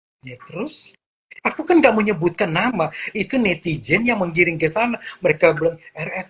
bete mau terus aku kan gak menyebutkan nama itu netizen yang menggiring kesana mereka belum rs